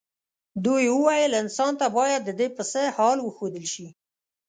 دوی وویل انسان ته باید ددې پسه حال وښودل شي.